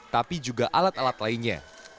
tapi juga alat alat lainnya